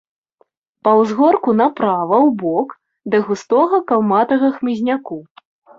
Па ўзгорку направа, убок, да густога калматага хмызняку.